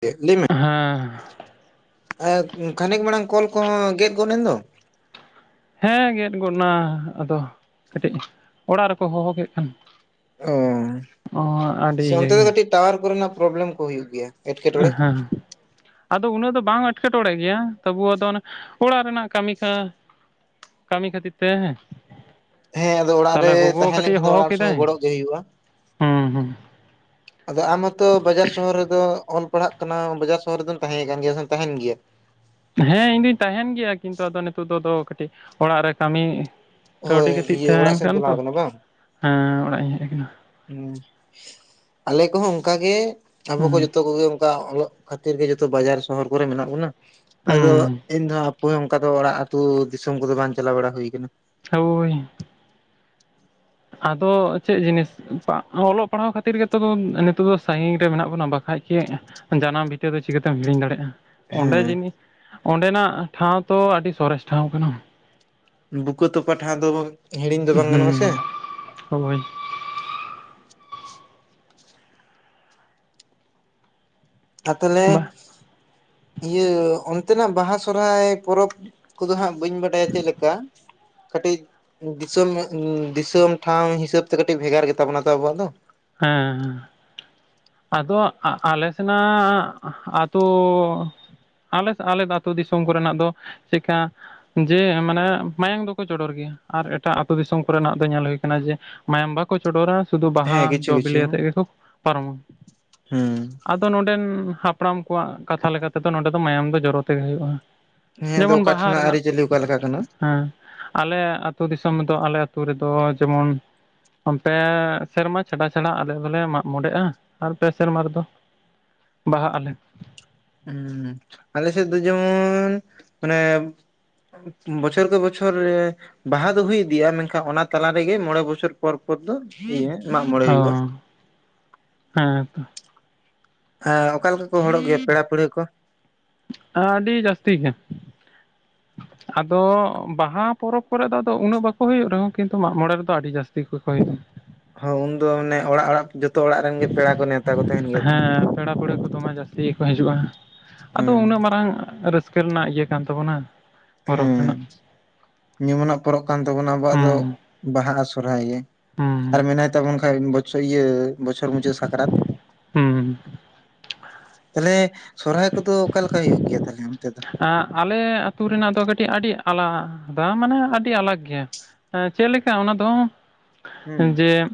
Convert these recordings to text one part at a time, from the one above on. ᱪᱮᱫ ᱞᱟᱹᱭᱢᱮ? ᱦᱮᱸ ᱟᱫ ᱠᱷᱟᱱᱤᱠ ᱢᱟᱲᱟᱝ ᱠᱚᱞ ᱠᱚᱦᱚᱸ ᱜᱮᱫ ᱜᱚᱫᱼᱮᱱ ᱫᱚ ᱦᱮᱸ ᱜᱮᱫ ᱜᱚᱫᱱᱟ ᱟᱫᱚ ᱠᱟᱹᱴᱤᱡ ᱚᱲᱟᱜ ᱨᱮᱠᱚ ᱦᱚᱦᱚ ᱠᱮᱫ ᱠᱷᱟᱱ ᱚᱻ ᱚ ᱟᱹᱰᱤ ᱥᱮ ᱤᱭᱟᱹ ᱚᱱᱛᱮ ᱫᱚ ᱜᱮ ᱠᱟᱹᱴᱤᱡ ᱴᱟᱣᱟᱨ ᱠᱚᱨᱮᱱᱟᱜ ᱯᱨᱚᱵᱽᱞᱮᱢ ᱠᱚ ᱦᱩᱭᱩᱜ ᱜᱮᱭᱟ ᱮ ᱮᱴᱠᱮᱴᱚᱬᱮ ᱦᱟᱸ ᱟᱫᱚ ᱩᱱᱟᱹᱜ ᱫᱚ ᱵᱟᱝ ᱮᱴᱠᱮᱴᱚᱬᱮ ᱜᱮᱭᱟ ᱟᱵᱩ ᱟᱫᱚ ᱚᱱᱟ ᱚᱲᱟᱜ ᱨᱮᱱᱟᱜ ᱠᱟᱹᱢᱤ ᱠᱟᱡᱽ ᱠᱟᱢᱤ ᱠᱷᱟᱛᱤᱨ ᱛᱮ ᱦᱮᱸ ᱟᱫᱚ ᱚᱲᱟᱜ ᱛᱟᱦᱚᱞᱮ ᱨᱮ ᱜᱚᱜᱚ ᱛᱟᱦᱮᱸ ᱠᱟᱹᱴᱤᱡ ᱮ ᱞᱮᱝᱠᱷᱟᱱ ᱫᱚ ᱦᱚᱦᱚ ᱚᱲᱟᱜ ᱠᱮᱫᱟᱭ ᱥᱚᱸᱜᱮ ᱜᱚᱲᱚᱜ ᱜᱮ ᱦᱩᱭᱩᱜᱼᱟ ᱦᱩᱸ ᱦᱩᱸ ᱟᱫᱚ ᱟᱢ ᱦᱚᱸᱛᱚ ᱵᱟᱡᱟᱨ ᱥᱚᱦᱚᱨ ᱨᱮᱫᱚ ᱚᱞ ᱯᱟᱲᱦᱟᱜ ᱠᱟᱱᱟ ᱵᱟᱡᱟᱨ ᱥᱚᱦᱚᱨ ᱨᱮᱫᱚᱢ ᱛᱟᱦᱮᱸ ᱠᱟᱱ ᱜᱮᱭᱟ ᱥᱮᱢ ᱛᱟᱦᱮᱸᱱ ᱜᱮᱭᱟ ᱦᱮᱸ ᱤᱧ ᱫᱩᱧ ᱛᱟᱦᱮᱸᱱ ᱜᱮᱭᱟ ᱠᱤᱱᱛᱩ ᱟᱫᱚ ᱱᱤᱛᱚᱜ ᱫᱚ ᱫᱚ ᱚᱲᱟᱜ ᱨᱮ ᱠᱟᱹᱴᱜ ᱚᱲᱟᱜ ᱨᱮ ᱠᱟᱹᱢᱤ ᱦᱳᱭ ᱠᱟᱹᱣᱰᱤ ᱠᱟᱹᱴᱤᱡ ᱤᱭᱟᱹ ᱚᱲᱟᱜ ᱛᱟᱦᱮᱱ ᱥᱮᱫ ᱮᱢ ᱠᱟᱱ ᱛᱚ ᱪᱟᱞᱟᱣ ᱠᱟᱱᱟ ᱦᱮᱸ ᱚᱲᱟᱜ ᱤᱧ ᱦᱮᱜ ᱠᱟᱱᱟ᱾ ᱦᱮᱸ ᱟᱞᱮ ᱠᱚᱦᱚᱸ ᱚᱝᱠᱟᱜ ᱜᱮ ᱟᱵᱚ ᱠᱚ ᱦᱩᱸ ᱡᱚᱛᱚ ᱠᱚᱜᱮ ᱚᱝᱠᱟ ᱚᱞᱚᱜ ᱠᱷᱟᱛᱤᱨ ᱜᱮ ᱡᱚᱛᱚ ᱵᱟᱡᱟᱨ ᱥᱚᱦᱚᱨ ᱠᱚᱨᱮ ᱢᱮᱱᱟᱜ ᱵᱚᱱᱟ ᱟᱫᱚ ᱦᱩᱸ ᱤᱧ ᱫᱚ ᱯᱚᱭ ᱚᱝᱠᱟ ᱫᱚ ᱚᱲᱟᱜ ᱟ. ᱛᱩ ᱫᱤᱥᱚᱢ ᱠᱚᱫᱚ ᱵᱟᱝ ᱪᱟᱞᱟᱣ ᱵᱟᱲᱟ ᱦᱩᱭ ᱟᱠᱟᱱᱟ ᱦᱳᱭ ᱟᱫᱚ ᱪᱮᱫ ᱡᱤᱱᱤᱥ? ᱵᱟᱜ ᱚᱞᱚᱜ ᱯᱟᱲᱦᱟᱣ ᱠᱷᱟᱛᱤᱨ ᱜᱮᱛᱚ ᱠᱚ ᱱᱤᱛᱚᱜ ᱫᱚ ᱥᱟᱸᱜᱤᱧ ᱨᱮ ᱢᱮᱱᱟᱜ ᱵᱚᱱᱟ᱾ ᱵᱟᱠᱷᱟᱡ ᱪᱮᱫ? ᱡᱟᱱᱟᱢ ᱵᱷᱤᱛᱟᱹ ᱫᱚ ᱪᱤᱠᱟᱹᱛᱮᱢ ᱦᱤᱲᱤᱧ ᱫᱟᱲᱮᱜᱼᱟ ᱚᱸᱰᱮ ᱦᱮᱸ ᱡᱤᱱᱤ ᱚᱸᱰᱮᱱᱟᱜ ᱴᱷᱟᱶ ᱛᱚ ᱟᱰᱤ ᱥᱚᱨᱮᱥ ᱴᱷᱟᱶ ᱠᱟᱱᱟ ᱵᱩᱠᱟᱹ ᱛᱚᱯᱟ ᱴᱷᱟᱶ ᱫᱚ ᱵᱚᱝ ᱦᱩᱸᱻ ᱦᱳᱭ ᱟ ᱛᱟᱞᱦᱮ ᱵᱟ ᱤᱭᱟᱹ ᱚᱱᱛᱮᱱᱟᱜ ᱵᱟᱦᱟ ᱥᱚᱨᱦᱟᱭ ᱯᱚᱨᱚᱵᱽ ᱠᱚᱫᱚ ᱦᱟᱸᱜ ᱵᱟᱹᱧ ᱵᱟᱰᱟᱭᱟ᱾ ᱪᱮᱫ ᱞᱮᱠᱟ? ᱠᱟᱹᱴᱤᱡ ᱫᱤᱥᱚᱢ ᱩᱸ ᱫᱤᱥᱳᱢ ᱴᱷᱟᱶ ᱦᱤᱥᱟᱹᱵᱽ ᱛᱮ ᱠᱟᱹᱴᱤᱡ ᱵᱷᱮᱜᱟᱨ ᱜᱮ ᱛᱟᱵᱚᱱᱟ ᱛᱚ ᱟᱵᱚᱱᱟᱜ ᱫᱚ ᱦᱮᱸᱦᱮᱸ ᱟ ᱟᱞᱮ ᱥᱮᱱᱟᱜ ᱟ ᱟᱛᱚ ᱟᱞᱮ ᱟᱹᱛᱩ ᱫᱤᱥᱚᱢ ᱠᱚᱨᱮᱱᱟᱜ ᱫᱚ ᱪᱤᱠᱟ ᱡᱮ ᱢᱟᱱᱮ ᱢᱟᱭᱟᱝ ᱫᱚᱠᱚ ᱪᱚᱰᱚᱨ ᱜᱮᱭᱟ ᱟᱨ ᱮᱴᱟᱜ ᱟᱹᱛᱩ ᱫᱤᱥᱚᱢ ᱠᱚᱨᱮ ᱱᱟᱜ ᱫᱚ ᱧᱮᱞ ᱦᱩᱭ ᱠᱟᱱᱟ ᱡᱮ ᱢᱟᱭᱟᱢ ᱵᱟᱠᱚ ᱪᱚᱰᱚᱨᱟ ᱥᱩᱫᱷᱩ ᱵᱟᱦᱟ ᱦᱮᱸ ᱠᱤᱪᱷᱩ ᱡᱚ ᱵᱤᱞᱤ ᱠᱤᱪᱷᱩ ᱟᱛᱮ ᱜᱮᱠᱚ ᱯᱟᱨᱚᱢᱟ ᱦᱮᱸ ᱩᱸ ᱦᱟᱯᱲᱟᱢ ᱠᱚᱣᱟᱜ ᱠᱟᱛᱷᱟ ᱞᱮᱠᱟᱛᱮᱫᱚ ᱱᱚᱰᱮ ᱫᱚ ᱢᱟᱭᱟᱢ ᱫᱚ ᱡᱚᱨᱚ ᱛᱮᱜᱮ ᱦᱩᱭᱩᱜᱼᱟ ᱡᱮᱢᱚᱱ ᱚᱠᱟ ᱵᱟᱦᱟ ᱴᱷᱮᱱᱟᱜ ᱨᱮᱱᱟᱜ ᱟᱹᱨᱤᱪᱟᱹᱞᱤ ᱚᱠᱟᱞᱮᱠᱟ ᱠᱟᱱᱟ? ᱦᱮᱸ ᱟᱹᱛᱩ ᱫᱤᱥᱚᱢ ᱨᱮᱫᱚ ᱟᱞᱮ ᱟᱹᱛᱩ ᱨᱮᱫᱚ ᱡᱮᱢᱚᱱ ᱚᱱᱛᱮ ᱥᱮᱨᱢᱟ ᱪᱷᱟᱰᱟ ᱪᱷᱟᱲᱟ ᱟᱞᱮ ᱫᱚᱞᱮ ᱢᱟᱜ ᱢᱚᱬᱮᱜᱼᱟ ᱟᱨ ᱯᱮ ᱥᱮᱨᱢᱟ ᱨᱮ ᱫᱚ ᱵᱟᱦᱟᱜ ᱟᱞᱮ ᱦᱢᱸ ᱟᱞᱮ ᱥᱮᱫ ᱫᱚ ᱡᱮᱢᱚᱱ ᱢᱟᱱᱮ ᱵᱚᱪᱷᱚᱨ ᱠᱮ ᱵᱚᱪᱷᱚᱨ ᱵᱟᱦᱟ ᱫᱚ ᱦᱩᱭᱩᱜ ᱜᱤᱭᱟ ᱢᱮᱱᱠᱷᱟᱱ ᱚᱱᱟ ᱛᱟᱞᱟᱨᱜᱮ ᱢᱚᱲᱮ ᱵᱚᱪᱷᱚᱨ ᱯᱚᱨ ᱯᱚᱨ ᱫᱚ ᱢᱟᱜ ᱢᱚᱬᱮ ᱚ ᱦᱩᱭᱩᱜᱼᱟ [inaudible] ᱦᱮᱸ ᱚᱠᱟ ᱞᱮᱠᱟ ᱠᱚ ᱦᱚᱲᱚᱜ ᱜᱮᱭᱟ ᱯᱮᱲᱟ ᱯᱟᱹᱲᱦᱟᱹ ᱠᱚ ᱟᱹᱰᱤ ᱡᱟᱹᱥᱛᱤ ᱭᱮᱱᱟ [inaudible] ᱟᱫᱚ ᱵᱟᱦᱟ ᱯᱚᱨᱚᱵᱽ ᱠᱚᱨᱮ ᱫᱚ ᱟᱫᱚ ᱩᱱᱟᱹᱜ ᱵᱟᱠᱚ ᱦᱩᱭᱩᱜ ᱨᱮᱦᱚᱸ ᱠᱤᱱᱛᱩ ᱢᱟᱜ ᱢᱚᱬᱮ ᱨᱮᱫᱚ ᱟᱹᱰᱤ ᱡᱟᱹᱥᱛᱤ ᱜᱮᱠᱚ ᱦᱩᱭᱩᱜᱼᱟ ᱦᱳ ᱩᱱᱫᱚ ᱢᱟᱱᱮ ᱚᱲᱟᱜ ᱚᱲᱟᱜ ᱡᱚᱛᱚ ᱚᱲᱟᱜ ᱨᱮᱱ ᱜᱮ ᱯᱮᱲᱟ ᱠᱚ ᱱᱮᱶᱛᱟ ᱦᱮᱸ ᱯᱮᱲᱟ ᱯᱟᱹᱲᱦᱟᱹ ᱠᱚᱫᱚ ᱢᱟ ᱡᱟᱹᱥᱛᱤ ᱜᱮᱠᱚ ᱦᱤᱡᱩᱜᱼᱟ ᱟᱫᱚ ᱩᱱᱟᱹᱜ ᱢᱟᱨᱟᱝ ᱨᱟᱹᱥᱠᱟᱹ ᱨᱟᱹᱥᱠᱟᱹ ᱨᱮᱱᱟᱜ ᱤᱭᱟᱹ ᱠᱟᱱ ᱛᱟᱵᱚᱱᱟ ᱯᱚᱨᱚᱵᱽ ᱦᱮᱸ ᱨᱮᱱᱟᱜ ᱯᱚᱨᱚᱵᱽ ᱠᱟᱱ ᱛᱟᱵᱚᱱᱟ ᱟᱵᱚᱣᱟᱜ ᱫᱚ ᱦᱩᱸ ᱵᱟᱦᱟ ᱟᱨ ᱥᱚᱦᱨᱟᱭ ᱜᱮ ᱦᱩᱸ ᱟᱨ ᱢᱮᱱᱟᱭ ᱛᱟᱵᱚᱱ ᱠᱷᱟᱱ ᱵᱚᱪᱷᱚᱨ ᱤᱭᱟᱹ ᱵᱚᱪᱷᱚᱨ ᱢᱩᱪᱟᱹᱫ ᱥᱟᱠᱨᱟᱛ [inaudible] ᱛᱟᱦᱞᱮ ᱥᱚᱨᱦᱟᱭ ᱠᱚᱫᱚ ᱚᱠᱟᱞᱮᱠᱟ ᱦᱩᱭᱩᱜ ᱜᱮᱭᱟ ᱛᱟᱦᱞᱮ ᱚᱱᱛᱮ ᱫᱚ ᱟᱞᱮ ᱟᱹᱛᱩ ᱨᱮᱱᱟᱜ ᱫᱚ ᱠᱟᱹᱴᱤᱡ ᱟᱹᱰᱤ ᱟᱞᱟᱫᱟ ᱢᱟᱱᱮ ᱟᱹᱰᱤ ᱟᱞᱟᱜ ᱜᱮᱭᱟ ᱪᱮᱫ ᱞᱮᱠᱟ ᱚᱱᱟ ᱫᱚ ᱦᱩᱸ ᱡᱮ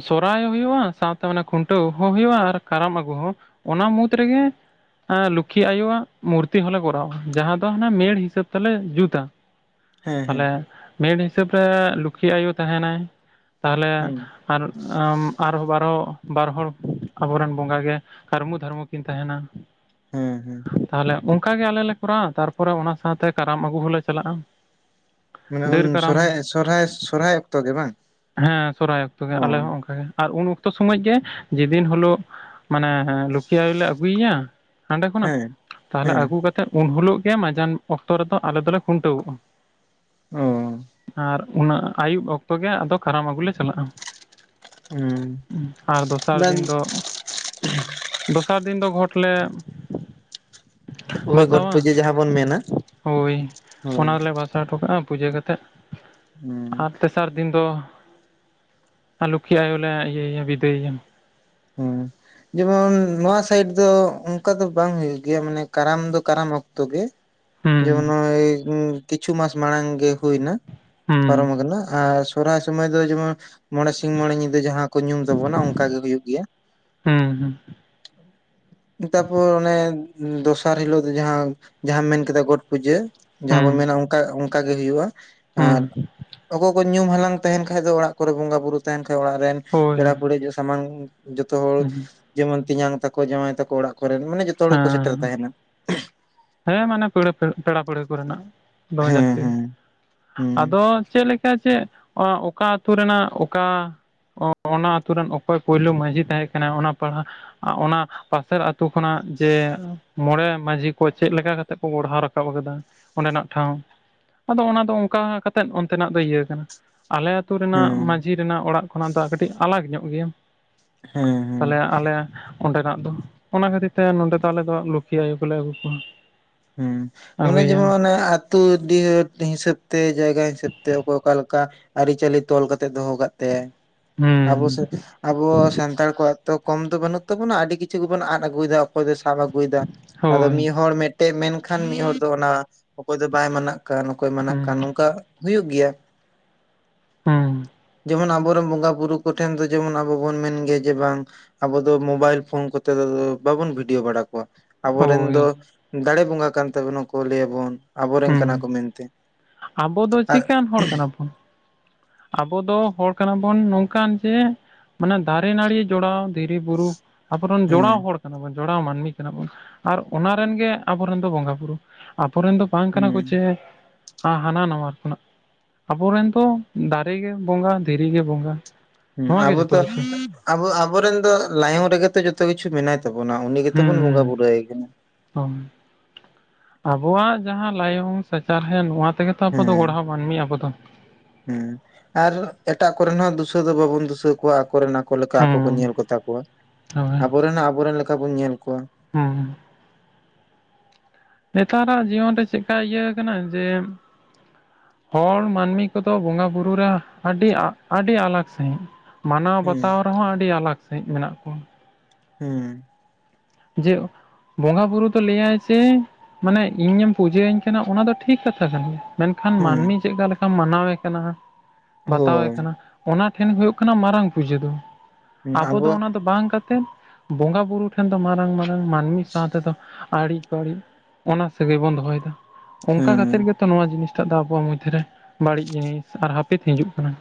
ᱥᱚᱨᱦᱟᱭ ᱦᱩᱭᱩᱜᱼᱟ ᱥᱟᱶᱛᱮ ᱠᱷᱩᱱᱴᱟᱹᱣ ᱦᱚᱸ ᱦᱩᱭᱩᱜᱼᱟ ᱟᱨ ᱠᱟᱨᱟᱢ ᱟᱹᱜᱩ ᱦᱚᱸ ᱚᱱᱟ ᱢᱩᱫᱽ ᱨᱮᱜᱮ ᱞᱚᱠᱠᱷᱤ ᱟᱭᱳᱣᱟᱜ ᱦᱚᱸᱞᱮ ᱠᱚᱨᱟᱣᱟ ᱡᱟᱦᱟᱸ ᱫᱚ ᱦᱟᱱᱮ ᱢᱮᱲ ᱦᱤᱥᱟᱹᱵ ᱛᱮᱞᱮ ᱡᱩᱛᱟ ᱦᱮᱸ ᱦᱮᱸ ᱛᱟᱦᱞᱮ ᱢᱮᱫ ᱦᱤᱥᱟᱹᱵᱽ ᱨᱮ ᱞᱩᱠᱷᱤ ᱟᱭᱳ ᱛᱟᱦᱮᱱᱟᱭ ᱛᱟᱦᱚᱞᱮ ᱦᱩᱸ ᱟᱨ ᱟᱨᱦᱚᱸ ᱵᱟᱨᱦᱚᱸ ᱵᱟᱨ ᱦᱚᱲ ᱟᱵᱚᱨᱮᱱ ᱵᱚᱸᱜᱟ ᱜᱮ ᱠᱟᱹᱨᱢᱩ ᱫᱷᱟᱨᱢᱩ ᱠᱤᱱ ᱛᱟᱦᱮᱱᱟ ᱦᱮᱸ ᱦᱮᱸ ᱛᱟᱦᱚᱞᱮ ᱚᱱᱠᱟ ᱜᱮ ᱟᱞᱮ ᱞᱮ ᱠᱚᱨᱟᱣᱟ ᱛᱟᱨᱯᱚᱨᱮ ᱚᱱᱟ ᱥᱟᱶᱛᱮ ᱠᱟᱨᱟᱢ ᱟᱹᱜᱩ ᱦᱚᱸᱞᱮ ᱪᱟᱞᱟᱜᱼᱟ ᱩᱱ ᱰᱟᱹᱨ ᱠᱟᱨᱟᱢ ᱥᱚᱨᱦᱟᱭ ᱥᱚᱨᱦᱟᱭ ᱥᱚᱨᱦᱟᱭ ᱚᱠᱛᱚ ᱜᱮ ᱵᱟᱝ ᱦᱮᱸ ᱥᱚᱨᱦᱟᱭ ᱚᱠᱛᱚ ᱜᱮ ᱚ ᱟᱞᱮ ᱦᱚᱸ ᱚᱱᱠᱟ ᱜᱮ ᱟᱨ ᱩᱱ ᱚᱠᱛᱚ ᱥᱚᱢᱚᱭ ᱜᱮ ᱡᱮᱫᱤᱱ ᱦᱳᱞᱳᱜ ᱦᱮᱸᱦᱮᱸ ᱞᱩᱠᱷᱤ ᱞᱮ ᱟᱹᱜᱩᱭᱮᱭᱟ ᱦᱟᱸᱰᱮ ᱠᱷᱚᱱᱟᱜ ᱦᱮᱸ ᱛᱟᱦᱚᱞᱮ ᱦᱮᱸ ᱟᱹᱜᱩ ᱠᱟᱛᱮᱫ ᱩᱱ ᱦᱤᱞᱳᱜ ᱜᱮ ᱢᱟᱡᱟᱱ ᱚᱠᱛᱚ ᱨᱮᱫᱚ ᱟᱞᱮ ᱫᱚᱞᱮ ᱠᱷᱩᱱᱴᱟᱹᱣᱚᱜᱼᱟ ᱚ ᱟᱨ ᱩᱱᱟᱹᱜ ᱟᱹᱭᱩᱵ ᱚᱠᱛᱚ ᱜᱮ ᱟᱫᱚ ᱠᱟᱨᱟᱢ ᱟᱹᱜᱩ ᱞᱮ ᱪᱟᱞᱟᱜᱼᱟ ᱦᱩᱸ ᱟᱨ ᱫᱚᱥᱟᱨ ᱵᱟᱝ ᱫᱤᱱ ᱫᱚ ᱫᱤᱱ ᱫᱚ ᱜᱷᱚᱴ ᱞᱮ ᱦᱳᱭ ᱜᱚᱴ ᱵᱟᱥᱟᱣᱟ ᱯᱩᱡᱟᱹ ᱡᱟᱦᱟᱸ ᱵᱚᱱ ᱢᱮᱱᱟ ᱦᱳᱭ ᱚᱱᱟ ᱦᱳᱭ ᱨᱮᱞᱮ ᱵᱟᱥ ᱯᱩᱡᱟᱹ ᱠᱟᱛᱮᱫ ᱦᱩᱸ ᱟᱨ ᱛᱮᱥᱟᱨ ᱫᱤᱱ ᱫᱚ ᱞᱚᱠᱠᱷᱤ ᱟᱭᱳ ᱞᱮ ᱤᱭᱟᱹᱮᱭᱟ ᱵᱤᱫᱟᱹᱭᱭᱟ [inaudible] ᱩᱸ ᱱᱚᱶᱟ ᱥᱟᱭᱤᱰ ᱫᱚ ᱚᱱᱠᱟ ᱫᱚ ᱵᱟᱝ ᱦᱩᱭᱩᱜ ᱜᱮᱭᱟ ᱢᱟᱱᱮ ᱠᱟᱨᱟᱢ ᱫᱚ ᱠᱟᱨᱟᱢ ᱚᱠᱛᱚ ᱜᱮ ᱦᱩᱸ ᱡᱮᱢᱚᱱ ᱱᱚᱜᱼᱚᱭ ᱠᱤᱪᱷᱩ ᱢᱟᱥ ᱢᱟᱲᱟᱝ ᱜᱮ ᱦᱩᱭᱱᱟ ᱯᱟᱨᱚᱢ ᱦᱩᱸ ᱠᱟᱱᱟ ᱟᱨ ᱥᱚᱨᱦᱟᱭ ᱥᱚᱢᱚᱭ ᱫᱚ ᱡᱮᱢᱚᱱ ᱢᱚᱬᱮ ᱧᱤᱫᱟᱹ ᱡᱟᱦᱟᱸ ᱠᱚ ᱧᱩᱢ ᱛᱟᱵᱚᱱᱟ ᱚᱱᱠᱟ ᱜᱮ ᱦᱩᱭᱩᱜ ᱜᱮᱭᱟ ᱦᱩᱸ ᱦᱩᱸ ᱛᱟᱯᱚᱨ ᱚᱱᱮ ᱫᱚᱥᱟᱨ ᱦᱤᱞᱳ ᱫᱚ ᱡᱟᱦᱟᱸ ᱡᱟᱦᱟᱢ ᱢᱮᱱ ᱠᱮᱫᱟ ᱜᱚᱴ ᱯᱩᱡᱟᱹ ᱦᱟᱸ ᱵᱚᱱ ᱦᱩᱸ ᱢᱮᱱᱟ ᱚᱱᱠᱟ ᱚᱱᱠᱟᱜᱮ ᱦᱩᱭᱩᱜᱼᱟ ᱟᱨ ᱦᱩᱸ ᱚᱠᱚᱭ ᱠᱚ ᱧᱩᱢ ᱦᱟᱞᱟᱝ ᱛᱟᱦᱮᱱ ᱠᱷᱟᱡ ᱫᱚ ᱚᱲᱟᱜ ᱠᱚᱨᱮ ᱵᱚᱸᱜᱟ ᱵᱩᱨᱩ ᱛᱟᱦᱮᱱ ᱠᱷᱟᱡ ᱚᱲᱟᱜ ᱨᱮᱱ ᱦᱳᱭ ᱯᱮᱲᱟ ᱯᱟᱹᱲᱦᱤᱡᱚᱜ ᱥᱟᱢᱟᱝ ᱡᱚᱛᱚ ᱦᱚᱲ ᱦᱩᱸ ᱡᱮᱢᱚᱱ ᱛᱮᱧᱟᱝ ᱛᱟᱠᱚ ᱡᱟᱶᱟᱭ ᱛᱟᱠᱚ ᱚᱲᱟᱜ ᱠᱚᱨᱮᱱ ᱢᱟᱱᱮ ᱡᱚᱛᱚ ᱦᱚᱲ ᱜᱮᱠᱚ ᱥᱮᱴᱮᱨ ᱦᱮᱸ ᱛᱟᱦᱮᱱᱟ ᱦᱮᱸ ᱢᱟᱱᱮ ᱯᱟᱹ ᱯᱮᱲᱟ ᱯᱟᱹᱲᱦᱟᱹ ᱠᱚᱨᱮᱱᱟᱜ᱾ ᱫᱚᱢᱮ ᱦᱮᱸ ᱡᱟᱹᱥᱛᱤ ᱦᱮᱸ ᱦᱮᱸ ᱟᱫᱚ ᱪᱮᱫ ᱞᱮᱠᱟ ᱪᱮᱫ ᱚᱠᱟ ᱟᱹᱛᱩ ᱨᱮᱱᱟᱜ ᱚᱠᱟ ᱚᱱᱟ ᱟᱛᱳ ᱨᱮᱱ ᱚᱠᱚᱭ ᱯᱳᱭᱞᱳ ᱢᱟᱺᱡᱷᱤ ᱛᱟᱦᱮᱸ ᱠᱟᱱᱟ ᱚᱱᱟ ᱯᱟᱲᱦᱟᱜ ᱚᱱᱟ ᱯᱟᱥᱮᱨ ᱟᱹᱛᱩᱳ ᱠᱷᱚᱱᱟᱜ ᱡᱮ ᱢᱚᱬᱮ ᱢᱟᱺᱡᱷᱤ ᱠᱚ ᱪᱮᱫ ᱞᱮᱠᱟ ᱠᱟᱛᱮ ᱠᱚ ᱜᱲᱦᱟᱣ ᱨᱟᱠᱟᱵ ᱠᱟᱫᱟ ᱚᱸᱰᱮᱱᱟᱜ ᱴᱷᱟᱶ ᱟᱫᱚ ᱚᱱᱟ ᱫᱚ ᱚᱱᱠᱟ ᱠᱟᱛᱮᱫ ᱚᱱᱛᱮᱱᱟᱜ ᱫᱚ ᱤᱭᱟᱹ ᱠᱟᱱᱟ ᱟᱞᱮ ᱟᱹᱛᱩ ᱨᱮᱱᱟᱜ ᱦᱮᱸ ᱢᱟᱺᱡᱷᱤ ᱨᱮᱱᱟᱜ ᱚᱲᱟᱜ ᱠᱷᱚᱱᱟᱜ ᱫᱚ ᱠᱟᱹᱴᱤᱡ ᱟᱞᱟᱜᱽ ᱧᱚᱜ ᱜᱮᱭᱟ᱾ ᱦᱮᱸ ᱦᱮᱸ ᱛᱟᱦᱚᱞᱮ ᱟᱞᱮ ᱚᱸᱰᱮᱱᱟᱜ ᱫᱚ ᱚᱱᱟ ᱠᱷᱟᱹᱛᱤᱨ ᱛᱮ ᱱᱚᱸᱰᱮ ᱫᱚ ᱟᱞᱮ ᱫᱚ ᱞᱩᱠᱷᱤ ᱟᱭᱳ ᱠᱚᱞᱮ ᱟᱹᱜᱩ ᱠᱚᱣᱟ ᱦᱩᱸ ᱢᱟᱱᱮ ᱡᱮᱢᱚᱱ ᱟᱹᱜᱩᱭᱮᱭᱟ ᱟᱱᱮ ᱟᱛᱳ ᱫᱟᱭᱤᱛ ᱦᱤᱥᱟᱹᱵ ᱛᱮ ᱡᱟᱭᱜᱟ ᱦᱤᱥᱟᱹᱵ ᱛᱮ ᱚᱠᱚᱭ ᱚᱠᱟ ᱞᱮᱠᱟ ᱟᱹᱨᱤᱪᱟᱹᱞᱤ ᱛᱚᱞ ᱠᱟᱛᱮᱜ ᱫᱚᱦᱚ ᱠᱟᱜ ᱛᱮ ᱟᱵᱚ ᱥᱮ ᱦᱩᱸ ᱟᱵᱚ ᱥᱟᱱᱛᱟᱲ ᱠᱚᱣᱟᱜ ᱛᱚ ᱠᱚᱢ ᱫᱚ ᱵᱟᱹᱱᱩᱜ ᱛᱟᱵᱚᱱᱟ ᱟᱹᱰᱤ ᱠᱤᱪᱷᱩ ᱜᱮᱵᱩᱱ ᱟᱫ ᱟᱹᱜᱩᱭᱮᱫᱟ ᱚᱠᱚᱭ ᱫᱚ ᱥᱟᱵᱩᱼᱼ ᱜᱩᱭᱫᱟ ᱟᱫᱚ ᱦᱳᱭ ᱢᱤᱫ ᱦᱚᱲ ᱢᱤᱫᱴᱮᱱ ᱢᱮᱱᱠᱷᱟᱱ ᱢᱤᱫ ᱦᱚᱲ ᱫᱚ ᱚᱱᱟ ᱚᱠᱚᱭ ᱫᱚ ᱵᱟᱭ ᱢᱟᱱᱟᱜ ᱠᱟᱱ ᱚᱠᱚᱭ ᱢᱟᱱᱟᱜ ᱠᱟᱱ ᱦᱩᱸ ᱱᱚᱝᱠᱟ ᱦᱩᱭᱩᱜ ᱜᱮᱭᱟ᱾ ᱦᱮᱸ ᱡᱮᱢᱚᱱ ᱟᱵᱚᱨᱮᱱ ᱵᱚᱸᱜᱟ ᱵᱩᱨᱩ ᱠᱚᱴᱷᱮᱱ ᱫᱚ ᱡᱮᱢᱚᱱ ᱟᱵᱚ ᱵᱚᱱ ᱢᱮᱱ ᱜᱮᱭᱟ ᱡᱮ ᱵᱟᱝ ᱟᱵᱚ ᱫᱚ ᱢᱳᱵᱟᱭᱤᱞ ᱯᱷᱳᱱ ᱠᱚᱛᱮ ᱫᱚ ᱵᱟᱵᱚᱱ ᱵᱷᱤᱰᱭᱳ ᱵᱟᱲᱟ ᱠᱚᱣᱟ᱾ ᱟᱵᱚᱨᱮᱱ ᱫᱚ ᱦᱳᱭ ᱫᱟᱲᱮ ᱵᱚᱸᱜᱟ ᱠᱟᱱ ᱛᱟᱵᱚᱱᱟ ᱠᱚ ᱞᱟᱹᱭᱟ ᱵᱚᱱ ᱦᱮᱸ᱾ ᱟᱵᱚ ᱫᱚ ᱟᱨ ᱪᱤᱠᱟᱱ ᱦᱚᱲ ᱠᱟᱱᱟᱵᱚᱱ? ᱟᱵᱚ ᱫᱚ ᱦᱚᱲ ᱠᱟᱱᱟᱵᱚᱱ ᱱᱚᱝᱠᱟᱱ ᱡᱮ ᱢᱟᱱᱮ ᱫᱟᱨᱮ ᱱᱟᱹᱲᱤ ᱡᱚᱲᱟᱣ ᱫᱷᱤᱨᱤ ᱵᱩᱨᱩ ᱟᱵᱚ ᱦᱩᱸ ᱡᱳᱲᱟᱣ ᱦᱚᱲ ᱠᱟᱱᱟ ᱵᱚᱱ ᱡᱚᱲᱟᱣ ᱢᱟᱹᱱᱢᱤ ᱠᱟᱱᱟ ᱵᱚᱱ ᱟᱨ ᱚᱱᱟ ᱨᱮᱱ ᱜᱮ ᱟᱵᱚᱨᱮᱱ ᱫᱚ ᱵᱚᱸᱜᱟ ᱵᱩᱨᱩ᱾ ᱟᱵᱚᱨᱮᱱ ᱫᱚ ᱵᱟᱝ ᱠᱟᱱᱟ ᱦᱩᱸ ᱠᱚ ᱪᱮ ᱦᱟᱱᱟ ᱱᱟᱣᱟ ᱠᱷᱚᱱᱟᱜ ᱟᱵᱚᱨᱮᱱ ᱫᱚ ᱫᱟᱨᱮ ᱜᱮ ᱵᱚᱸᱜᱟ ᱫᱷᱤᱨᱤ ᱜᱮ ᱵᱚᱸᱜᱟ ᱦᱩᱸ ᱱᱚᱣᱟ ᱜᱮ ᱟᱵᱚ ᱡᱚᱛᱚ ᱫᱚ ᱠᱤᱪᱷᱩ ᱟᱵᱚ ᱟᱵᱚᱨᱮᱱ ᱫᱚ ᱞᱟᱭᱚᱝ ᱨᱮᱜᱮ ᱛᱚ ᱡᱚᱛᱚ ᱠᱤᱪᱷᱩ ᱢᱮᱱᱟᱭ ᱛᱟᱵᱚᱱᱟ ᱩᱱᱤ ᱜᱮᱛᱚ ᱦᱩᱸ ᱵᱚᱱ ᱵᱚᱸᱜᱟ ᱦᱩᱸ ᱵᱩᱨᱩᱭ ᱟᱭ ᱠᱟᱱᱟ᱾ ᱟᱵᱚᱣᱟᱜ ᱡᱟᱦᱟᱸ ᱞᱟᱭᱚᱝ ᱥᱟᱪᱟᱨᱦᱮᱫ ᱱᱚᱣᱟ ᱛᱮᱜᱮ ᱛᱚ ᱟᱵᱚ ᱦᱮᱸ ᱜᱚᱲᱦᱟᱣ ᱢᱟᱹᱱᱢᱤ ᱟᱵᱚ ᱫᱚ ᱦᱮᱸ ᱟᱨ ᱮᱴᱟᱜ ᱠᱚᱨᱮᱱ ᱦᱚᱸ ᱫᱩᱥᱟᱹ ᱫᱚ ᱵᱟᱵᱚᱱ ᱫᱩᱥᱟᱹ ᱠᱚᱣᱟ ᱟᱠᱚᱨ ᱱᱟᱜ ᱟᱠᱚ ᱞᱮᱠᱟ ᱟᱠᱚ ᱠᱚ ᱦᱩᱸ ᱧᱮᱞ ᱠᱚᱛᱟ ᱠᱚᱣᱟ, ᱟᱵᱚᱨᱮᱱ ᱟᱵᱚᱨᱮᱱ ᱞᱮᱠᱟ ᱵᱚᱱ ᱧᱮᱞ ᱠᱚᱣᱟ᱾ ᱦᱮᱸ ᱦᱩᱸ ᱱᱮᱛᱟᱨᱟᱜ ᱡᱤᱭᱚᱱ ᱨᱮ ᱪᱮᱫᱠᱟ ᱤᱭᱟᱹ ᱠᱟᱱᱟ ᱡᱮ ᱦᱚᱲ ᱢᱟᱹᱱᱢᱤ ᱠᱚᱫᱚ ᱵᱚᱸᱜᱟ ᱵᱩᱨᱩ ᱨᱮ ᱟᱹᱰᱤ ᱟᱹᱰᱤ ᱟᱞᱟᱜᱠᱽ ᱥᱟᱹᱦᱤᱡ ᱢᱟᱱᱟᱣ ᱦᱮᱸ ᱵᱟᱛᱟᱣ ᱨᱮᱦᱚᱸ ᱟᱹᱰᱤ ᱟᱞᱟᱠ ᱥᱟᱺᱦᱤᱡ ᱢᱮᱱᱟᱜ ᱠᱚᱣᱟ᱾ ᱦᱮᱸ ᱡᱮ ᱵᱚᱸᱜᱟ ᱵᱩᱨᱩ ᱫᱚ ᱞᱟᱹᱭ ᱟᱭ ᱡᱮ ᱢᱟᱱᱮ ᱤᱧᱮᱢ ᱯᱩᱡᱟᱹᱭᱟᱹᱧ ᱠᱟᱱᱟ ᱚᱱᱟ ᱫᱚ ᱴᱷᱤᱠ ᱠᱟᱛᱷᱟ ᱠᱟᱱ ᱜᱮᱭᱟ ᱢᱮᱱᱠᱷᱟᱱ ᱦᱮᱸ ᱢᱟᱹᱱᱢᱤ ᱪᱮᱫᱠᱟ ᱞᱮᱠᱟᱢ ᱢᱟᱱᱟᱣᱮ ᱠᱟᱱᱟ ᱵᱟᱛᱟᱣᱮ ᱦᱳᱭ ᱠᱟᱱᱟ ᱚᱱᱟ ᱴᱷᱮᱱ ᱦᱩᱭᱩᱜ ᱠᱟᱱᱟ ᱢᱟᱨᱟᱝ ᱯᱩᱡᱟᱹ ᱫᱚ, ᱟᱵᱚ ᱫᱚ ᱚᱱᱟ ᱫᱚ ᱵᱟᱝ ᱠᱟᱛᱮᱫ ᱵᱚᱸᱜᱟ ᱵᱩᱨᱩ ᱴᱷᱮᱱ ᱫᱚ ᱢᱟᱨᱟᱝ ᱢᱟᱨᱟᱝ ᱢᱟᱹᱱᱢᱤ ᱥᱟᱶ ᱛᱮᱫᱚ ᱟᱲᱤ ᱵᱟᱲᱤᱡ ᱚᱱᱟ ᱥᱟᱹᱜᱟᱹᱭ ᱵᱚᱱ ᱫᱚᱦᱚᱭ ᱫᱟ᱾ ᱚᱱᱠᱟ ᱠᱷᱟᱹᱛᱤᱨ ᱦᱮᱸ ᱜᱮᱛᱚ ᱛᱚ ᱱᱚᱣᱟ ᱡᱤᱱᱤᱥ ᱴᱟᱜ ᱫᱚ ᱟᱵᱚᱣᱟᱜ ᱢᱚᱫᱽᱫᱷᱮᱨᱮ ᱵᱟᱹᱲᱤᱡ ᱡᱤᱱᱤᱥ ᱟᱨ ᱦᱟᱯᱤᱫ ᱦᱤᱡᱩᱜ ᱠᱟᱱᱟ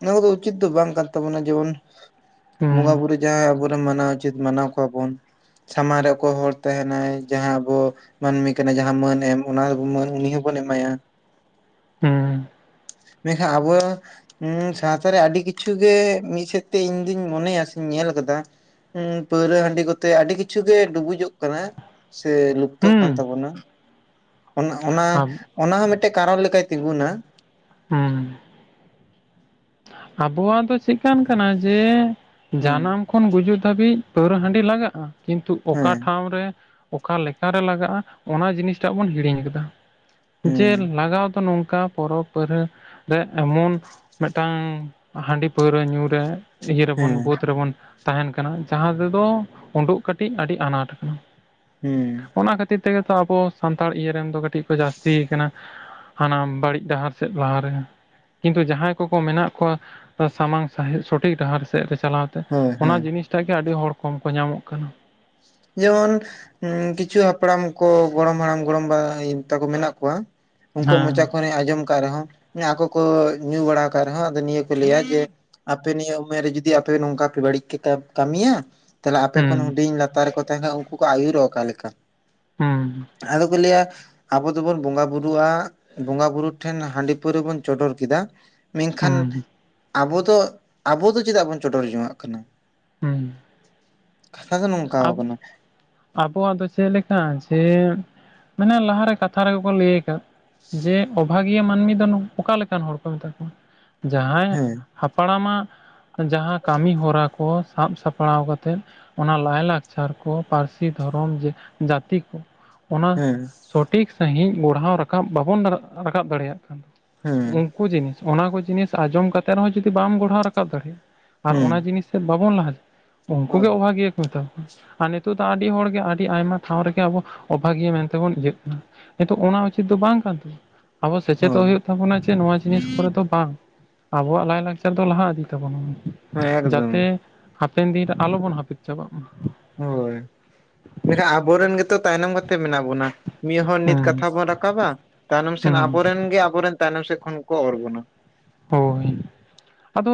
ᱚᱱᱟ ᱠᱚᱫᱚ ᱩᱪᱤᱛ ᱫᱚ ᱵᱟᱝ ᱠᱟᱱ ᱛᱟᱵᱚᱱᱟ ᱡᱮᱢᱚᱱ ᱵᱚᱸᱜᱟ ᱦᱩᱸ ᱵᱩᱨᱩ ᱡᱟᱦᱟᱸ ᱟᱵᱚ ᱨᱮᱱ ᱢᱟᱱᱟᱣ ᱩᱪᱤᱛ ᱢᱟᱱᱟᱣ ᱠᱚᱣᱟ ᱵᱚᱱ ᱥᱟᱢᱟᱝ ᱨᱮ ᱚᱠᱚᱭ ᱦᱚᱲ ᱛᱟᱦᱮᱱᱟᱭ ᱡᱟᱦᱟᱸ ᱟᱵᱚ ᱢᱟᱹᱱᱢᱤ ᱠᱟᱱᱟ ᱡᱟᱦᱟᱸ ᱢᱟᱹᱱ ᱮᱢ ᱚᱱᱟ ᱢᱟᱹᱱ ᱩᱱᱤ ᱦᱚᱸᱵᱚᱱ ᱮᱢᱟᱭᱟ᱾ ᱦᱩᱸ ᱢᱮᱱ ᱠᱷᱟᱱ ᱟᱵᱚᱣᱟ ᱦᱮᱸ ᱥᱟᱶᱛᱟ ᱨᱮ ᱟᱹᱰᱤ ᱠᱤᱪᱷᱩ ᱜᱮ ᱢᱤᱫ ᱥᱮᱫ ᱛᱮ ᱤᱧ ᱫᱩᱧ ᱢᱚᱱᱮᱭᱟ ᱥᱮ ᱧᱮᱞ ᱟᱠᱟᱫᱟ ᱦᱩᱸ ᱯᱟᱹᱣᱨᱟᱹ ᱦᱟᱺᱰᱤ ᱠᱚᱛᱮ ᱟᱹᱰᱤ ᱠᱤᱪᱷᱩ ᱜᱮ ᱰᱩᱵᱩᱡᱚᱜ ᱠᱟᱱᱟ ᱥᱮ ᱡᱩᱛᱚ ᱠᱟᱱ ᱦᱩᱸ ᱛᱟᱵᱚᱱᱟ ᱚᱱᱟ ᱚᱱᱟ ᱦᱚᱸ ᱢᱤᱫᱴᱮᱡ ᱠᱟᱨᱚᱱ ᱞᱮᱠᱟᱭ ᱛᱤᱸᱜᱩᱱᱟ ᱾ ᱦᱩᱸ᱾ ᱟᱵᱚᱣᱟᱜ ᱫᱚ ᱪᱮᱜᱠᱟᱱ ᱠᱟᱱᱟ ᱡᱮ ᱦᱩᱸ ᱡᱟᱱᱟᱢ ᱠᱷᱚᱱ ᱜᱩᱡᱩᱜ ᱫᱷᱟᱹᱵᱤᱡ ᱯᱟᱹᱣᱨᱟᱹ ᱦᱟᱺᱰᱤ ᱞᱟᱜᱟᱜᱼᱟ, ᱠᱤᱱᱛᱩ ᱚᱠᱟ ᱦᱮᱸ ᱴᱷᱟᱶ ᱨᱮ ᱚᱠᱟ ᱞᱮᱠᱟᱨᱮ ᱞᱟᱜᱟᱜᱼᱟ ᱚᱱᱟ ᱡᱤᱱᱤᱥᱴᱟᱜ ᱵᱚᱱ ᱦᱤᱲᱤᱧ ᱟᱠᱟᱫᱟ ᱾ ᱦᱩᱸ ᱡᱮ ᱱᱤᱧ ᱞᱟᱜᱟᱣ ᱫᱟ ᱱᱚᱝᱠᱟ ᱯᱚᱨᱚᱵᱽᱼᱯᱟᱹᱨᱦᱟᱹ ᱨᱮ ᱮᱢᱚᱱ ᱢᱤᱫᱴᱟᱝ ᱦᱟᱺᱰᱤ ᱯᱟᱹᱣᱨᱟᱹ ᱧᱩ ᱨᱮ ᱤᱭᱟᱹ ᱦᱮᱸ ᱨᱮᱵᱚᱱ ᱵᱟᱹᱫᱽ ᱨᱮᱵᱚᱱ ᱛᱟᱦᱮᱱ ᱠᱟᱱᱟ ᱡᱟᱦᱟᱸ ᱛᱮ ᱫᱚ ᱩᱰᱩᱜ ᱠᱟᱹᱴᱤᱡ ᱟᱹᱰᱤ ᱟᱱᱟᱴ ᱠᱟᱱᱟ ᱦᱩᱸ ᱚᱱᱟ ᱠᱷᱟᱹᱛᱤᱨ ᱛᱮ ᱜᱮ ᱛᱚ ᱟᱵᱚ ᱥᱟᱱᱛᱟᱲ ᱤᱭᱟᱹ ᱨᱮᱱ ᱫᱚ ᱠᱟᱹᱴᱤᱡ ᱠᱚ ᱡᱟᱹᱥᱛᱤ ᱟᱠᱟᱱᱟ ᱾ ᱦᱟᱱᱟᱢ ᱵᱟᱹᱲᱤᱡ ᱰᱟᱦᱟᱨ ᱥᱮᱫ ᱞᱟᱦᱟ ᱨᱮᱦᱚ ᱠᱤᱱᱛᱩ ᱡᱟᱦᱟᱸᱭ ᱩᱱᱠᱩ ᱠᱚ ᱢᱮᱱᱟᱜ ᱠᱚᱣᱟ ᱥᱟᱢᱟᱝ ᱥᱟᱹᱦᱤᱡ ᱥᱚᱴᱷᱤᱠ ᱰᱟᱦᱟᱨ ᱥᱮᱫ ᱨᱮ ᱪᱟᱞᱟᱣ ᱛᱮ ᱦᱳᱭ ᱚᱱᱟ ᱦᱳᱭ ᱡᱤᱱᱤᱥ ᱾ ᱛᱟᱹᱭ ᱜᱮ ᱟᱹᱰᱤ ᱦᱚᱲ ᱠᱚᱢ ᱠᱚ ᱧᱟᱢᱚᱜ ᱠᱟᱱᱟ ᱾ ᱡᱮᱢᱚᱱ ᱾ ᱦᱩᱸ ᱠᱤᱪᱷᱩ ᱦᱟᱯᱲᱟᱢ ᱠᱚ ᱜᱚᱲᱚᱢ ᱦᱟᱲᱟᱢ ᱜᱚᱲᱚᱢ ᱵᱟ ᱛᱟᱠᱩ ᱢᱮᱱᱟᱜ ᱠᱚᱣᱟ ᱾ ᱩᱱ ᱠᱩᱣᱟ ᱦᱮᱸ ᱢᱚᱪᱟ ᱠᱷᱚᱱ ᱤᱧ ᱟᱸᱡᱚᱢ ᱟᱠᱟᱫ ᱨᱮᱦᱚᱸ ᱟᱠᱚ ᱠᱚ ᱧᱩ ᱵᱟᱲᱟ ᱟᱠᱟᱫ ᱨᱮᱦᱚᱸ ᱟᱫᱚ ᱱᱤᱭᱟᱹ ᱠᱚ ᱞᱟᱹᱭᱟ ᱡᱮ ᱟᱯᱮ ᱱᱤᱭᱟᱹ ᱩᱢᱮᱨ ᱨᱮ ᱡᱩᱫᱤ ᱟᱯᱮ ᱱᱚᱝᱠᱟ ᱯᱮ ᱵᱟᱹᱲᱤᱡ ᱯᱮ ᱠᱟ-ᱠᱟᱹᱢᱤᱭᱟ᱾ ᱛᱟᱦᱞᱮ ᱟᱯᱮ ᱦᱩᱸ ᱠᱷᱚᱱ ᱦᱩᱰᱤᱧ ᱞᱟᱛᱟᱨ ᱨᱮ ᱠᱚ ᱛᱟᱦᱮᱸᱱᱟ ᱩᱱᱠᱩ ᱠᱚ ᱟᱹᱭᱩᱨᱚᱜ ᱚᱠᱟ ᱞᱮᱠᱟ? ᱦᱩᱸ᱾ ᱟᱫᱚ ᱠᱚ ᱞᱟᱹᱭᱟ ᱟᱵᱚ ᱫᱚᱵᱚᱱ ᱵᱚᱸᱜᱟ ᱵᱩᱨᱩᱜᱼᱟ ᱵᱚᱸᱜᱟ ᱵᱩᱨᱩ ᱴᱷᱮᱱ ᱦᱟᱺᱰᱤ ᱯᱟᱹᱣᱨᱟᱹ ᱵᱚᱱ ᱪᱚᱰᱚᱨ ᱠᱮᱫᱟ ᱾ ᱢᱮᱱᱠᱷᱟᱱ, ᱦᱩᱸ ᱟᱵᱚ ᱫᱚ ᱟᱵᱚ ᱫᱚ ᱪᱮᱫᱟᱜ ᱵᱚᱱ ᱪᱚᱰᱚᱨ ᱡᱚᱝᱼᱟᱜ ᱠᱟᱱᱟ? ᱦᱩᱸ ᱾ ᱠᱟᱛᱷᱟ ᱫᱚ ᱱᱚᱝᱠᱟᱣ ᱟᱠᱟᱱᱟ ᱾ ᱟᱵᱚᱣᱟᱜ ᱫᱚ ᱪᱮᱫ ᱞᱮᱠᱟ ᱡᱮ ᱢᱟᱱᱮ ᱞᱟᱦᱟ ᱨᱮ ᱠᱟᱛᱷᱟ ᱨᱮᱜᱮ ᱠᱚ ᱞᱟᱹᱭ ᱠᱟᱫ᱾ ᱡᱮ ᱚᱵᱷᱟᱜᱤᱭᱟᱹ ᱢᱟᱹᱱᱢᱤ ᱫᱚ ᱱᱚᱝ-ᱚᱠᱟ ᱞᱮᱠᱟᱱ ᱦᱚᱲ ᱠᱚ ᱢᱮᱛᱟ ᱠᱚᱣᱟ? ᱡᱟᱦᱟᱸᱭ ᱦᱮᱸ ᱦᱟᱯᱲᱟᱢᱟᱜ ᱡᱟᱦᱟᱸ ᱠᱟᱹᱢᱤ ᱦᱚᱨᱟ ᱯᱚ ᱥᱟᱵ ᱥᱟᱯᱲᱟᱣ ᱠᱟᱛᱮᱫ᱾ ᱚᱱᱟ ᱞᱟᱭᱼᱞᱟᱠᱪᱟᱨ ᱠᱚ, ᱯᱟᱨᱥᱤ ᱫᱷᱚᱨᱚᱢ ᱡᱟᱹ-ᱡᱟᱛᱤ ᱠᱚ, ᱚᱱᱟ ᱦᱮᱸ ᱥᱚᱴᱷᱤᱠ ᱥᱟᱺᱦᱤᱡ ᱵᱚᱲᱦᱟᱣ ᱨᱟᱠᱟᱵ ᱵᱟᱵᱚᱱ ᱫᱟᱲᱚᱜ ᱨᱟᱠᱟᱵ ᱫᱟᱲᱮᱭᱟᱜ ᱠᱟᱱᱟ᱾ ᱦᱮᱸ [unintelligible] ᱠᱚ ᱡᱤᱱᱤᱥ ᱚᱱᱟ ᱠᱚ ᱡᱤᱱᱤᱥ ᱟᱸᱡᱚᱢ ᱠᱟᱛᱮ ᱨᱮᱦᱚᱸ ᱡᱩᱫᱤ ᱵᱟᱢ ᱜᱚᱲᱦᱟᱣ ᱨᱟᱠᱟᱵ ᱫᱟᱲᱮᱭᱟᱜᱼᱟ ᱟᱨ ᱚᱱᱟ ᱦᱮᱸ ᱡᱤᱱᱤᱥ ᱛᱮᱫ ᱵᱟᱵᱚᱱ ᱞᱟᱦᱟ ᱩᱱᱠᱩ ᱦᱳᱭ ᱜᱮ ᱚᱵᱷᱟᱜᱤᱭᱟᱹ ᱦᱳᱭ ᱛᱚ, ᱟᱨ ᱱᱤᱛᱚᱜ ᱫᱚ ᱟᱹᱰᱤ ᱦᱚᱲ ᱜᱮ ᱟᱹᱰᱤ ᱟᱭᱢᱟ ᱴᱷᱟᱶ ᱨᱮ ᱜᱮ ᱟᱵᱚ ᱚᱵᱷᱟᱜᱤᱭᱟᱹ ᱢᱮᱱ ᱛᱮ ᱵᱚᱱ ᱤᱭᱟᱹᱜ ᱠᱟᱱᱟ᱾ ᱱᱤᱛᱚᱜ ᱚᱱᱟ ᱩᱪᱤᱛ ᱫᱚ ᱵᱟᱝ ᱠᱟᱱ ᱛᱟᱵᱚᱱᱟ ᱾ ᱟᱵᱚ ᱥᱮᱪᱮᱛᱚᱜ ᱦᱚᱸ ᱦᱩᱭᱩᱜ ᱛᱟᱵᱚᱱᱟ ᱡᱮ ᱱᱚᱣᱟ ᱡᱤᱱᱤᱥ ᱠᱚᱨᱮ ᱫᱚ ᱵᱟᱝ᱾ ᱟᱵᱚᱣᱟᱜ ᱞᱟᱭᱼᱞᱟᱠᱪᱟᱨ ᱫᱚ ᱞᱟᱦᱟ ᱤᱫᱤ ᱛᱟᱵᱚᱱᱟ ᱦᱮᱸ ᱮᱠᱫᱚᱢ ᱡᱟᱛᱮ ᱦᱟᱯᱮᱱ ᱫᱤᱱ ᱨᱮ ᱟᱞᱚᱵᱚᱱ ᱦᱟᱯᱤᱫ ᱪᱟᱵᱟᱜ ᱢᱟ᱾ ᱦᱳᱭ ᱾ ᱢᱮᱱ ᱠᱷᱟᱱ ᱟᱵᱚᱨᱮᱱ ᱜᱮ ᱛᱚ ᱛᱟᱭᱱᱚᱢ ᱠᱟᱛᱮ ᱢᱮᱱᱟᱜ ᱵᱚᱱᱟ ᱾ ᱢᱤᱫ ᱦᱚᱲ ᱱᱤᱛ ᱦᱩᱸ ᱠᱟᱛᱷᱟ ᱵᱚᱱ ᱨᱟᱠᱟᱵᱟ ᱛᱟᱭᱱᱚᱢ ᱥᱮᱫ ᱦᱩᱸ ᱟᱵᱚᱨᱮᱱ ᱜᱮ ᱟᱵᱚᱨᱮᱱ ᱛᱟᱭᱱᱚᱢ ᱥᱮᱫ ᱠᱷᱚᱱ ᱠᱚ ᱚᱨ ᱵᱚᱱᱟ ᱦᱳᱭ, ᱟᱫᱚ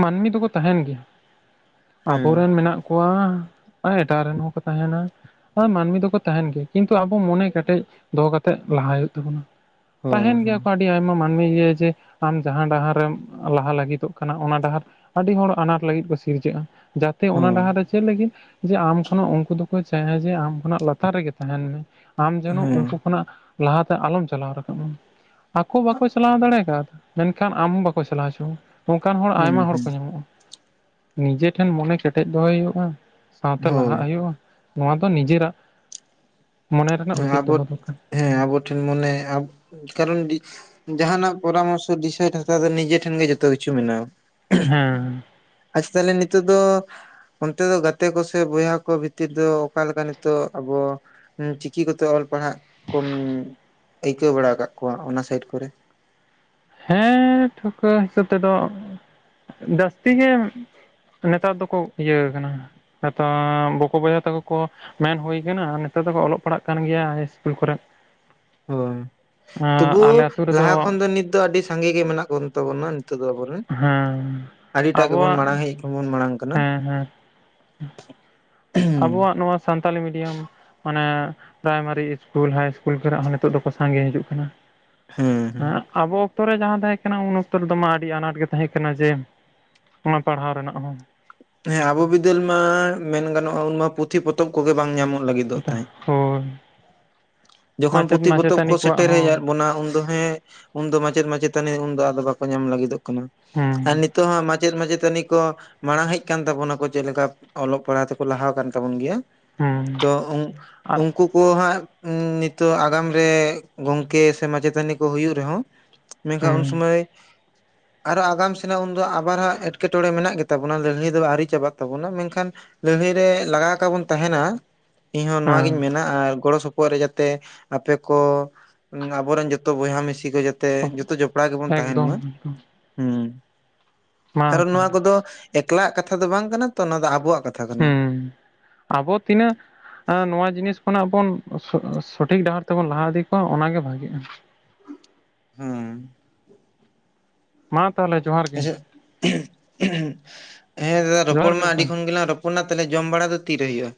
ᱢᱟᱹᱱᱢᱤ ᱫᱚᱠᱚ ᱛᱟᱦᱮᱱ ᱜᱮᱭᱟ, ᱦᱮᱸ ᱟᱵᱚᱨᱮᱱ ᱢᱮᱱᱟᱜ ᱠᱚᱣᱟ ᱟᱨ ᱮᱴᱟᱜ ᱨᱮᱱ ᱦᱚᱸ ᱠᱚ ᱛᱟᱦᱮᱱᱟ ᱾ ᱦᱳᱭ, ᱢᱟᱹᱱᱢᱤ ᱫᱚᱠᱚ ᱛᱟᱦᱮᱱ ᱜᱮᱭᱟ ᱠᱤᱱᱛᱩ ᱟᱵᱚ ᱢᱚᱱᱮ ᱠᱮᱴᱮᱡ ᱫᱚᱦᱚ ᱠᱟᱛᱮᱜ ᱞᱟᱦᱟᱭ ᱦᱩᱭᱩᱜ ᱛᱟᱵᱚᱱᱟ᱾ ᱦᱳᱭ ᱛᱟᱦᱮᱱ ᱜᱮᱭᱟ ᱦᱳᱭ ᱠᱚ ᱟᱹᱰᱤ ᱟᱭᱢᱟ ᱢᱟᱹᱱᱢᱤ ᱤᱭᱟᱹ ᱡᱮ ᱟᱢ ᱡᱟᱦᱟᱸ ᱰᱟᱦᱟᱨᱮᱢ ᱞᱟᱦᱟ ᱞᱟᱹᱜᱤᱛᱚᱜ ᱠᱟᱱᱟ ᱚᱱᱟ ᱰᱟᱦᱟᱨ ᱟᱹᱰᱤ ᱦᱚᱲ ᱟᱱᱟᱴ ᱞᱟᱹᱜᱤᱫ ᱠᱚ ᱥᱤᱨᱡᱟᱹᱜᱼᱟ ᱾ ᱡᱟᱛᱮ ᱦᱳᱭ ᱚᱱᱟ ᱰᱟᱦᱟᱨ ᱨᱮ ᱪᱮᱫ ᱞᱟᱹᱜᱤᱫ ᱡᱮ ᱟᱢ ᱠᱷᱚᱱᱟᱜ ᱩᱱᱠᱩ ᱫᱚ ᱪᱟᱦᱮ ᱡᱮ ᱟᱢ ᱠᱷᱚᱱᱟᱜ ᱞᱟᱛᱟᱨ ᱨᱮ ᱜᱮ ᱛᱟᱦᱮᱱ ᱢᱮ ᱟᱢ ᱡᱮᱱᱚ ᱦᱮᱸ ᱩᱱᱠᱩ ᱚᱱᱟ ᱞᱟᱦᱟ ᱛᱮ ᱟᱞᱚᱢ ᱪᱟᱞᱟᱣ ᱨᱟᱠᱟᱵ ᱟᱢ ᱟᱠᱚ ᱵᱟᱠᱚ ᱪᱟᱞᱟᱣ ᱫᱟᱲᱮ ᱟᱠᱟᱫᱟ ᱾ ᱢᱮᱱ ᱠᱷᱟᱱ ᱟᱢ ᱦᱚᱸ ᱵᱟᱠᱚ ᱪᱟᱞᱟᱣ ᱦᱚᱪᱚᱣᱟᱢᱟ ᱱᱚᱝᱠᱟᱱ ᱦᱚᱲ ᱦᱮᱸ ᱟᱭᱢᱟ ᱦᱚᱲ ᱦᱮᱸ ᱠᱚ ᱧᱟᱢᱚᱜᱼᱟ ᱾ ᱱᱤᱡᱮ ᱴᱷᱮᱱ ᱢᱚᱱᱮ ᱠᱮᱴᱮᱡ ᱫᱚᱦᱚᱭ ᱦᱩᱭᱩᱜᱼᱟ ᱥᱟᱶᱛᱮ ᱞᱟᱦᱟᱜ ᱦᱳᱭ ᱦᱩᱭᱩᱜᱼᱟ ᱱᱚᱣᱟ ᱫᱚ ᱱᱤᱡᱮ ᱨᱟᱜ ᱾ ᱦᱮᱸ ᱟᱵᱚ ᱫᱚᱨᱠᱟᱨ ᱴᱷᱮ ᱦᱮᱸ ᱟᱵᱚ ᱴᱷᱮᱱ ᱢᱚᱱᱮ ᱠᱟᱨᱚᱱ ᱡᱟᱦᱟᱸᱱᱟᱜ ᱯᱚᱨᱟᱢᱚᱨᱥᱚ ᱰᱤᱥᱚᱭ ᱦᱟᱛᱟᱣ ᱫᱚ ᱱᱤᱡᱮ ᱴᱷᱮᱱ ᱜᱮ ᱡᱚᱛᱚ ᱠᱤᱪᱷᱩ ᱢᱮᱱᱟᱜᱼᱟ ᱦᱮᱸ ᱟᱪᱷᱟ ᱛᱟᱦᱞᱮ ᱱᱤᱛᱚᱜ ᱫᱚ ᱚᱱᱛᱮ ᱫᱚ ᱜᱟᱛᱮ ᱠᱚ ᱥᱮ ᱵᱚᱭᱦᱟ ᱠᱚ ᱵᱷᱤᱛᱤᱨ ᱫᱚ ᱚᱠᱟᱞ ᱞᱮᱠᱟ ᱱᱤᱛᱚᱜ ᱟᱵᱚ ᱦᱮᱸ ᱪᱤᱠᱤ ᱪᱤᱠᱤ ᱠᱚᱛᱮ ᱚᱞ ᱯᱟᱲᱦᱟᱜ ᱠᱚᱢ ᱟᱹᱭᱠᱟᱹᱣ ᱵᱟᱲᱟ ᱟᱠᱟᱫ ᱠᱚᱣᱟ ᱚᱱᱟ ᱥᱟᱭᱤᱰ ᱠᱚᱨᱮ ᱦᱮᱸ ᱴᱷᱟᱹᱣᱠᱟᱹ ᱦᱤᱥᱟᱹᱵ ᱛᱮᱫᱚ, ᱡᱟᱹᱥᱛᱤ ᱜᱮ ᱱᱮᱛᱟᱨ ᱫᱚᱠᱚ ᱤᱭᱟᱹ ᱟᱠᱟᱱᱟ ᱱᱮᱛᱟᱨ ᱵᱚᱠᱚ ᱵᱚᱭᱦᱟ ᱛᱟᱠᱚ ᱠᱚ ᱢᱮᱱ ᱦᱩᱭ ᱟᱠᱟᱱᱟ ᱱᱮᱛᱟᱨ ᱫᱚᱠᱚ ᱚᱞᱚᱜ ᱯᱟᱲᱦᱟᱜ ᱠᱟᱱ ᱜᱮᱭᱟ ᱦᱟᱭ ᱤᱥᱠᱩᱞ ᱠᱚᱨᱮ ᱦᱳᱭ ᱛᱚᱵᱩ ᱟᱞᱮ ᱟᱹᱛᱩ ᱞᱟᱦᱟ ᱨᱮᱫᱚ ᱠᱷᱚᱱ ᱫᱚ ᱱᱤᱛ ᱫᱚ ᱟᱹᱰᱤ ᱥᱟᱸᱜᱮ ᱜᱮ ᱢᱮᱱᱟᱜ ᱠᱚ ᱛᱟᱵᱚᱱᱟ ᱱᱤᱛᱚᱜ ᱫᱚ ᱟᱵᱚ ᱫᱚ ᱦᱮᱸ [unintelligible] ᱟᱹᱰᱤᱴᱟᱜ ᱜᱮᱵᱚᱱ ᱟᱵᱚᱣᱟᱜ ᱢᱟᱲᱟᱝ ᱦᱩᱭᱩᱜ ᱟᱠᱟᱱᱟ [unintelligible] ᱢᱟᱲᱟᱝ ᱟᱠᱟᱱᱟ ᱦᱮᱸ ᱦᱮᱸ ᱟᱵᱚᱣᱟᱜ ᱱᱚᱣᱟ ᱥᱟᱱᱛᱟᱞᱤ ᱢᱤᱰᱤᱭᱟᱢ ᱢᱟᱱᱮ ᱯᱨᱟᱭᱢᱟᱨᱤ ᱤᱥᱠᱩᱞ ᱦᱟᱭ ᱤᱥᱠᱩᱞ ᱠᱷᱚᱱᱟᱜ ᱦᱚᱸ ᱱᱤᱛᱚᱜ ᱫᱚᱠᱚ ᱥᱟᱸᱜᱮ ᱦᱤᱡᱩᱜ ᱠᱟᱱᱟ᱾ ᱦᱩᱸ ᱦᱮᱸ ᱟᱵᱚ ᱚᱠᱛᱚ ᱨᱮ ᱡᱟᱦᱟᱸ ᱛᱟᱦᱮᱸ ᱠᱟᱱᱟ ᱩᱱ ᱚᱠᱛᱚ ᱨᱮᱫᱚ ᱟᱹᱰᱤ ᱟᱱᱟᱴ ᱜᱮ ᱛᱟᱦᱮᱸ ᱠᱟᱱᱟ ᱡᱮ ᱚᱱᱟ ᱯᱟᱲᱦᱟᱣ ᱨᱮᱱᱟᱜ ᱦᱚᱸ ᱦᱮᱸ ᱟᱵᱚ ᱵᱤᱫᱟᱹᱞ ᱢᱟ ᱢᱮᱱ ᱜᱟᱱᱚᱜᱼᱟ, ᱩᱱ ᱢᱟ ᱯᱩᱛᱷᱤ [unintelligible] ᱯᱚᱛᱚᱵ ᱠᱚᱜᱮ ᱵᱟᱝ ᱧᱟᱢᱚᱜ ᱞᱟᱹᱜᱤᱫᱚᱜ ᱛᱟᱦᱮᱸᱫᱟ ᱦᱚᱭ ᱡᱚᱠᱷᱚᱱ ᱯᱩᱛᱷᱤ ᱯᱚᱛᱚᱵᱽ ᱠᱚ ᱠᱚᱣᱟᱜ ᱥᱮᱴᱮᱨ ᱦᱮᱡ ᱟᱫ ᱦᱚᱸ ᱵᱚᱱᱟ ᱩᱱ ᱫᱚ ᱦᱮᱸ ᱩᱱᱫᱚ ᱢᱟᱪᱮᱫ ᱢᱟᱪᱮᱛᱟᱹᱱᱤ ᱩᱱᱫᱚ ᱟᱫᱚ ᱵᱟᱠᱚ ᱧᱟᱢ ᱞᱟᱹᱜᱤᱫᱚᱜ ᱠᱟᱱᱟ ᱟᱨ ᱦᱩᱸ ᱱᱤᱛ ᱛᱚ ᱢᱟᱪᱮᱫ ᱢᱟᱪᱮᱛᱟᱹᱱᱤ ᱠᱚ ᱢᱟᱲᱟᱝ ᱦᱮᱡ ᱠᱟᱱ ᱛᱟᱵᱚᱱᱟ ᱠᱚ ᱪᱮᱫ ᱞᱮᱠᱟ ᱚᱞᱚᱜ ᱯᱟᱲᱦᱟᱜ ᱛᱮᱠᱚ ᱞᱟᱦᱟ ᱟᱠᱟᱱ ᱛᱟᱵᱚᱱ ᱜᱮᱭᱟ ᱦᱩᱸ ᱛᱚ ᱩᱝ ᱟᱨ ᱩᱱᱠᱩᱯ ᱩᱱᱠᱩ ᱦᱟᱸᱜ ᱱᱤᱛᱚᱜ ᱟᱜᱟᱢ ᱨᱮ ᱜᱚᱝᱠᱮ ᱥᱮ ᱢᱟᱪᱮᱛᱟᱹᱱᱤ ᱠᱚ ᱦᱩᱭᱩᱜ ᱨᱮᱦᱚᱸ ᱢᱮᱱᱠᱷᱟᱱ ᱩᱱ ᱦᱩᱸ ᱥᱩᱢᱟᱹᱭ ᱟᱨᱦᱚᱸ ᱟᱜᱟᱢ ᱥᱮᱱᱟᱜ ᱩᱱᱫᱚ ᱟᱵᱟᱨ ᱦᱟᱸᱜ ᱮᱴᱠᱮᱴᱚᱬᱮ ᱢᱮᱱᱟᱜ ᱜᱮ ᱛᱟᱵᱚᱱᱟ ᱞᱟᱹᱲᱦᱟᱸᱭ ᱟᱹᱶᱨᱤ ᱪᱟᱵᱟᱜ ᱛᱟᱵᱚᱱᱟ ᱢᱮᱱᱠᱷᱟᱱ ᱞᱟᱹᱲᱦᱟᱹᱭ ᱨᱮ ᱞᱟᱜᱟᱣ ᱟᱠᱟᱵᱚᱱ ᱛᱟᱦᱮᱱᱟ ᱤᱧ ᱦᱚᱸ ᱱᱚᱣᱟᱜᱤᱧ ᱦᱮᱸ ᱢᱮᱱᱟ ᱟᱨ ᱜᱚᱲᱚ ᱥᱚᱯᱚ ᱯᱚᱨ ᱨᱮ ᱡᱟᱛᱮ ᱟᱯᱮ ᱠᱚ ᱟᱵᱚᱨᱮᱱ ᱡᱚᱛᱚ ᱵᱚᱭᱦᱟ ᱢᱤᱥᱤ ᱡᱚᱛᱚ ᱛᱮ ᱡᱚᱛᱚ ᱡᱚᱯᱲᱟᱣ ᱜᱮᱵᱚᱱ ᱛᱟᱦᱮᱱ ᱮᱠᱫᱚᱢ ᱢᱟ ᱮᱠᱫᱚᱢ ᱦᱩᱸ ᱢᱟ ᱠᱟᱨᱚᱱ ᱱᱚᱣᱟ ᱛᱟᱦᱚᱞᱮ ᱠᱚᱫᱚ ᱮᱠᱞᱟᱜ ᱠᱟᱛᱷᱟ ᱫᱚ ᱵᱟᱝ ᱠᱟᱱᱟ ᱛᱚ ᱚᱱᱟ ᱫᱚ ᱟᱵᱚᱣᱟᱜ ᱠᱟᱛᱷᱟ ᱠᱟᱛᱷᱟ ᱠᱟᱱᱟ ᱟᱵᱚ ᱛᱤᱱᱟᱹᱜ ᱟᱸ ᱱᱚᱣᱟ ᱡᱤᱱᱤᱥ ᱠᱷᱚᱱᱟᱜ ᱵᱚᱱ ᱥᱚᱴᱷᱤᱠ ᱰᱟᱦᱟᱨ ᱛᱮᱵᱚᱱ ᱞᱟᱦᱟ ᱤᱫᱤ ᱠᱚᱣᱟ ᱚᱱᱟᱜ ᱜᱮ ᱵᱷᱟᱜᱤᱜᱼᱟ [inaudible] ᱦᱩᱸ ᱢᱟ ᱛᱟᱦᱟᱞᱮ ᱡᱚᱦᱟᱨ ᱜᱮ? [unintelligible] ᱦᱮᱸ ᱫᱟᱫᱟ ᱡᱚᱦᱟᱨ ᱨᱚᱯᱚᱲ ᱢᱟ ᱟᱸᱰᱤ ᱵᱚᱠᱚᱧ ᱠᱷᱚᱱ ᱜᱮ ᱨᱚᱯᱚᱲ ᱚᱱᱟ ᱛᱮᱞᱮ ᱡᱚᱢ ᱵᱟᱲᱟ ᱫᱚ ᱛᱤᱨᱮ ᱦᱩᱭᱩᱜᱼᱟ